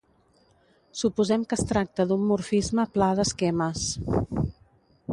Suposem que es tracta d'un morfisme pla d'esquemes.